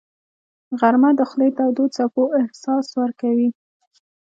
غرمه د خولې تودو څپو احساس ورکوي